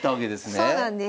そうなんです。